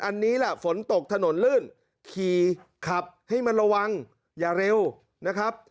อันนี้แหละฝนตกถนนลื่นขี่ขับให้มันระวังอย่าเร็วนะครับ